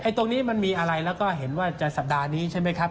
ตรงนี้มันมีอะไรแล้วก็เห็นว่าจะสัปดาห์นี้ใช่ไหมครับ